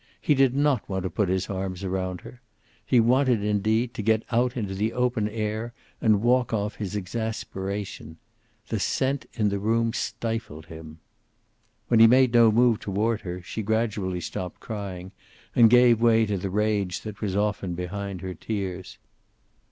He did not want to put his arms around her. He wanted, indeed, to get out into the open air and walk off his exasperation. The scent in the room stifled him. When he made no move toward her she gradually stopped crying, and gave way to the rage that was often behind her tears.